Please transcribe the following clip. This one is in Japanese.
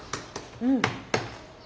うん。